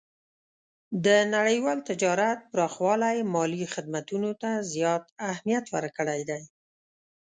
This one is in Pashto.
د نړیوال تجارت پراخوالی مالي خدمتونو ته زیات اهمیت ورکړی دی.